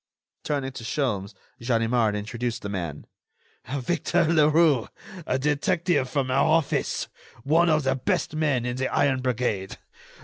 Turning to Sholmes, Ganimard introduced the man: "Victor Leroux, a detective from our office, one of the best men in the iron brigade